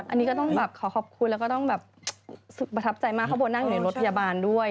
อันนี้ก็ต้องแบบขอขอบคุณแล้วก็ต้องแบบประทับใจมากเขาบอกนั่งอยู่ในรถพยาบาลด้วย